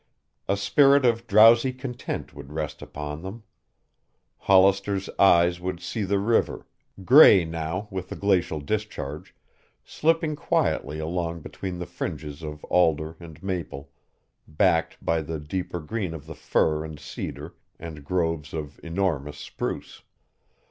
A spirit of drowsy content would rest upon them. Hollister's eyes would see the river, gray now with the glacial discharge, slipping quietly along between the fringes of alder and maple, backed by the deeper green of the fir and cedar and groves of enormous spruce.